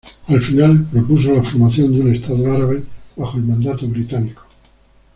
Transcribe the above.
Al final, propuso la formación de un estado árabe bajo el mandato británico.